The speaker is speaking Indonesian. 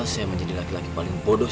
saya menjadi laki laki paling bodoh